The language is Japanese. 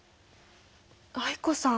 藍子さん。